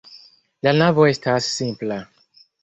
La navo estas simpla.